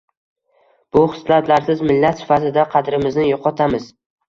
Bu xislatlarsiz millat sifatida qadrimizni yo‘qotamiz.